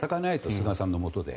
菅さんのもとで。